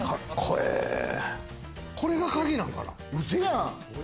これが鍵なんかな？